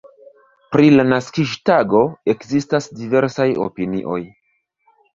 Pri la naskiĝtago ekzistas diversaj opinioj.